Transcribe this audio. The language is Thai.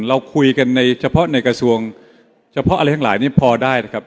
เราคุยกันในเฉพาะในกระทรวงเฉพาะอะไรทั้งหลายนี่พอได้นะครับ